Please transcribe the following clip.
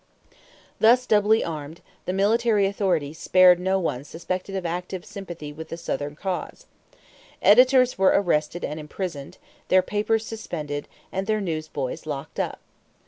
Thus doubly armed, the military authorities spared no one suspected of active sympathy with the Southern cause. Editors were arrested and imprisoned, their papers suspended, and their newsboys locked up.